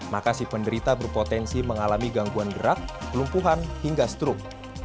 maka si penderita berpotensi mengalami gangguan gerak kelumpuhan hingga strok